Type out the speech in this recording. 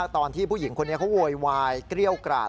ตอนที่ผู้หญิงคนนี้เขาโวยวายเกรี้ยวกราด